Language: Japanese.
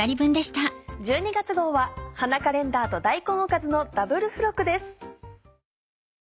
１２月号は「花カレンダー」と「大根おかず」のダブル付録です。